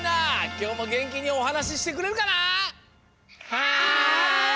きょうもげんきにおはなししてくれるかな！？はい！